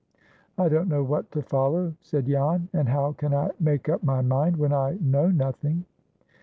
"I don't know what to follow," said Jan; "and how can I make up my mind, when I know nothing?"